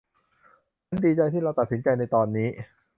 ฉันดีใจที่เราตัดสินใจในตอนนี้